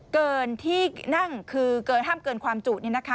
เกินที่นั่งคือห้ามเกินความจูดเนี่ยนะคะ